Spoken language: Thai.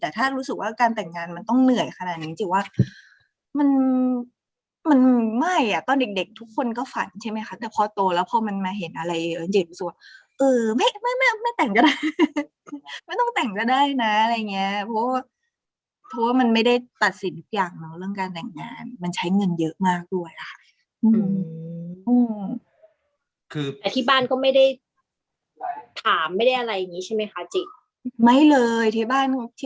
แต่ถ้ารู้สึกว่าการแต่งงานมันต้องเหนื่อยขนาดนี้จริงว่ามันมันไม่อ่ะตอนเด็กเด็กทุกคนก็ฝันใช่ไหมคะแต่พอโตแล้วพอมันมาเห็นอะไรเด็กรู้สึกว่าเออไม่ไม่แต่งก็ได้ไม่ต้องแต่งก็ได้นะอะไรอย่างเงี้ยเพราะว่าเพราะว่ามันไม่ได้ตัดสินทุกอย่างเนาะเรื่องการแต่งงานมันใช้เงินเยอะมากด้วยนะคะจริง